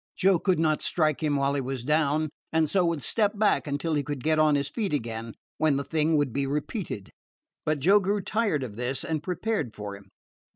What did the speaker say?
Joe could not strike him while he was down, and so would step back until he could get on his feet again, when the thing would be repeated. But Joe grew tired of this, and prepared for him.